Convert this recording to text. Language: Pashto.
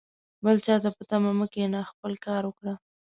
بل چاته په تمه مه کښېنه ، خپله کار وکړه